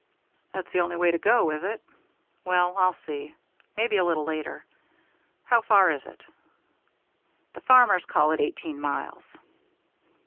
"That's the only way to go, is it? Well, I'll see. Maybe a little later. How far is it?" "The farmers call it eighteen miles."